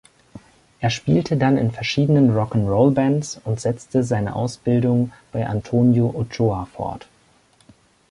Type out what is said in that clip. Er spielte dann in verschiedenen Rock-’n’-Roll-Bands und setzte seine Ausbildung bei Antonio Ochoa fort.